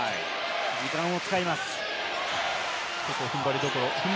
時間を使います。